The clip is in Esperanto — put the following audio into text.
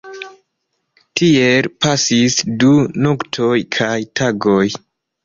Tiel pasis du noktoj kaj tagoj.